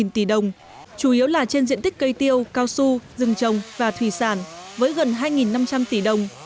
một tỷ đồng chủ yếu là trên diện tích cây tiêu cao su rừng trồng và thủy sản với gần hai năm trăm linh tỷ đồng